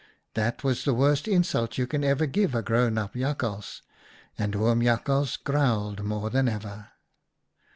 That was the worst insult you can ever give a grown up jakhals, and Oom Jakhals growled more than ever.